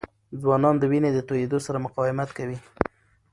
ځوانان د وینې د تویېدو سره مقاومت کوي.